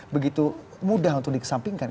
begitu mudah untuk di kesampingkan